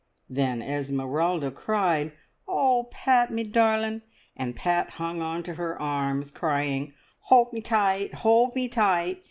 Then Esmeralda cried, "Oh, Pat, me darlin'!" and Pat hung on to her arms, crying, "Hold me tight! Hold me tight!"